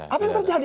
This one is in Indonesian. apa yang terjadi